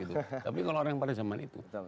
tapi kalau orang pada zaman itu